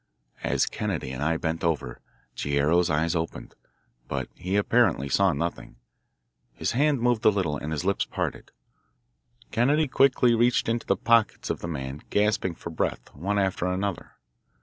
As Kennedy and I bent over, Guerrero's eyes opened, but he apparently saw nothing. His hand moved a little, and his lips parted. Kennedy quickly reached into the pockets of the man gasping for breath, one after another.